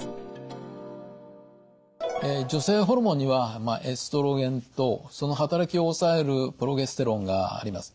女性ホルモンにはエストロゲンとその働きを抑えるプロゲステロンがあります。